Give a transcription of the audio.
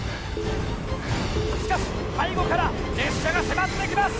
しかし背後から列車が迫ってきます！